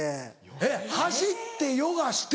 えっ走ってヨガして？